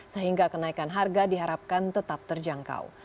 sehingga kenaikan harga diharapkan tetap terjangkau